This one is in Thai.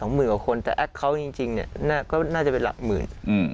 หมื่นกว่าคนแต่แอคเคาน์จริงเนี่ยก็น่าจะเป็นหลักหมื่น